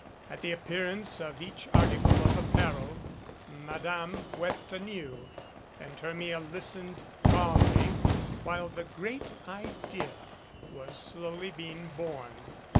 At the appearance of each article of apparel, Madame wept anew, and Hermia lis tened calmly while the "great idea" was slowly being born.